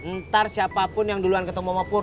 ntar siapapun yang duluan ketemu mopur